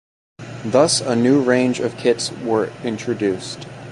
Thus a new range of kit's were introduced.